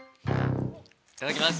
◆いただきます。